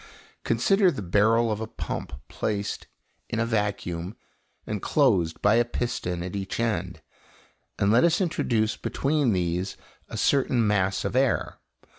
Consider the barrel of a pump placed in a vacuum and closed by a piston at each end, and let us introduce between these a certain mass of air.